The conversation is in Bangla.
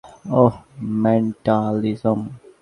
ওহ, মেন্টালিজম।